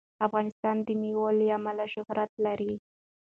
افغانستان د مېوې له امله شهرت لري.